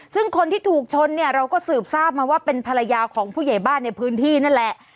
ซึ่งคนที่ถูกชนเนี่ยเราก็สืบทราบมาว่าเป็นภรรยาของผู้ใหญ่บ้านในพื้นที่นั่นแหละ